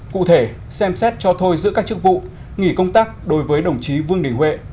cụ thể xem xét cho thôi giữa các chức vụ nghỉ công tác đối với đồng chí vương đình huệ